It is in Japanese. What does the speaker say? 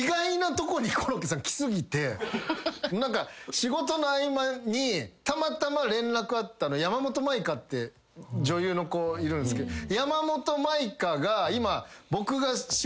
仕事の合間にたまたま連絡あった山本舞香って女優の子いるんすけど山本舞香が今僕が仕事してた。